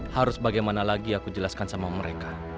harus bagaimana lagi aku jelaskan sama mereka